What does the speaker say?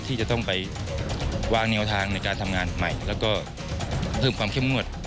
ที่จะต้องไปวางแนวทางในการทำงานใหม่แล้วก็เพิ่มความเข้มงวด